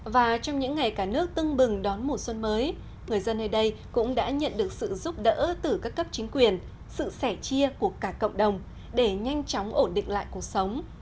và trong những ngày cả nước tưng bừng đón mùa xuân mới người dân nơi đây cũng đã nhận được sự giúp đỡ từ các cấp chính quyền sự sẻ chia của cả cộng đồng để nhanh chóng ổn định lại cuộc sống